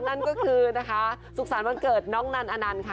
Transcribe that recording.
นั่นก็คือนะคะสุขสรรค์วันเกิดน้องนันอนันต์ค่ะ